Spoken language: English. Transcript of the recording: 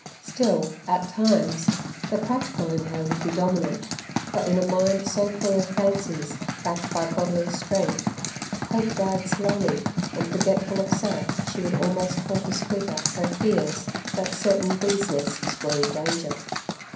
Still, at times, the practical in her would be dominant, for in a mind so free of fancies, backed by bodily strength, hope died slowly, and forgetful of self she would almost call to Squeaker her fears that certain bees' nests were in danger.